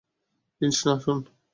কৃষ্ণা, শোন।